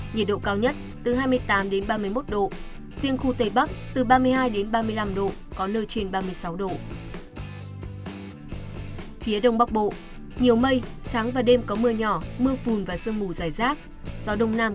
nhiệt độ cao nhất từ hai mươi ba đến hai mươi sáu độ có nơi trên hai mươi sáu độ